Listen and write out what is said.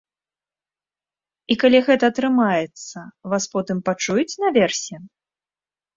І калі гэта атрымаецца, вас потым пачуюць наверсе?